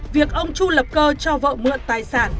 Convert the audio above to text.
việc ông chu lập cơ cho vợ mượn tài sản